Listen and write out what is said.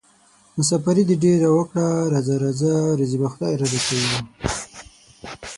مساپري دې ډېره وکړه راځه راځه روزي به خدای رارسوينه